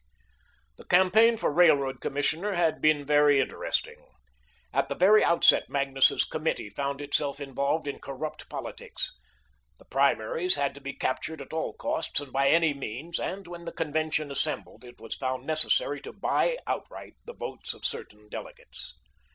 The campaign for Railroad Commissioner had been very interesting. At the very outset Magnus's committee found itself involved in corrupt politics. The primaries had to be captured at all costs and by any means, and when the convention assembled it was found necessary to buy outright the votes of certain delegates.